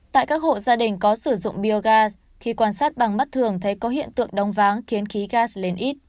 tại các hộ gia đình có sử dụng biogas khi quan sát bằng mắt thường thấy có hiện tượng đông váng khiến khí gass lên ít